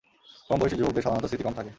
কমবয়েসি যুবকদের সাধারণত স্মৃতি কম থাকে।